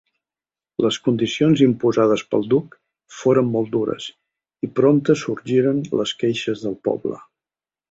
Les condicions imposades pel Duc foren molt dures, i prompte sorgiren les queixes del poble.